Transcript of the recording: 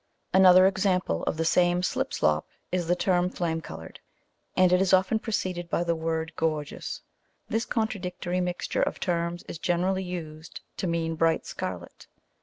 Another example of the same slip slop is the term flame coloured, and it is often preceded by the word "gorgeous." This contradictory mixture of terms is generally used to mean bright scarlet.